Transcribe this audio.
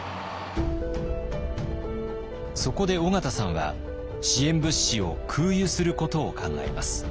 そこで緒方さんは支援物資を空輸することを考えます。